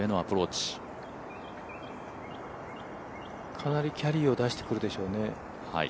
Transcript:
かなりキャリーを出してくるでしょうね。